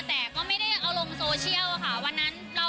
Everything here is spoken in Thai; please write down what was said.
แต่ก็ไม่นุ่มออกลงโซเชียลค่ะ